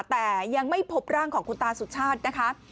แต่ยังไม่พบร่างของคุณตาสุชาตินะคะ